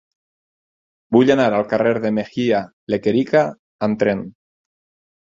Vull anar al carrer de Mejía Lequerica amb tren.